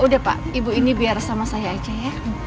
udah pak ibu ini biar sama saya aja ya